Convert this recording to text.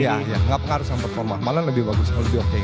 iya nggak pengaruh sama performa malah lebih bagus lebih oke